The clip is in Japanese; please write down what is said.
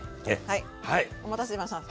はいお待たせしました。